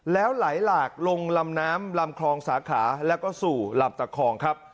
แล้วไหลหลากลงลำน้ำลำคลองสาขาแล้วก็สู่ลำตะคองครับ